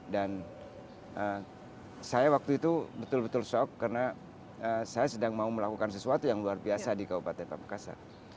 dan saya waktu itu betul betul shock karena saya sedang mau melakukan sesuatu yang luar biasa di kabupaten papakasa